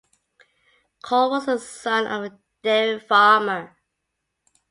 Cole was the son of a dairy farmer.